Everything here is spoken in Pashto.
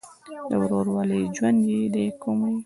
د ورورولۍ ژوند دې کوي.